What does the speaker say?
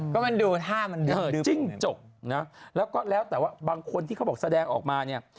ก็มันดูท่ามันดีจิ้งจกนะแล้วก็แล้วแต่ว่าบางคนที่เขาบอกแสดงออกมาเนี่ย